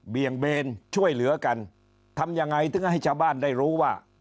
เบนช่วยเหลือกันทำยังไงถึงให้ชาวบ้านได้รู้ว่า